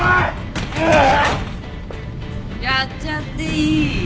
やっちゃっていい？